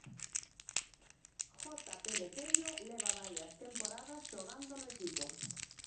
Jota Peleteiro leva varias temporadas xogando no equipo.